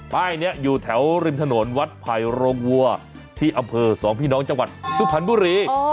ป้ายนี้อยู่แถวริมถนนวัดไผ่โรงวัวที่อำเภอสองพี่น้องจังหวัดสุพรรณบุรี